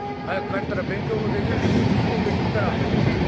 早く帰ったら勉強もできるし素振りもできるから」。